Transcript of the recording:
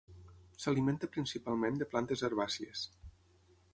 S'alimenta principalment de plantes herbàcies.